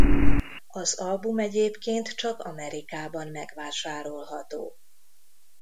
Az album egyébként csak Amerikában megvásárolható.